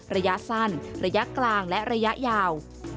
ระยะสั้นระยะกลางและระยะยาว